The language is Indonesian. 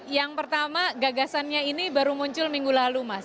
yang pertama gagasannya ini baru muncul minggu lalu mas